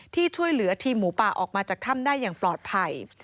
ที่ช่วยเหลือทีมหมูป่าออกมาจากถ้ำได้อย่างปลอดภัย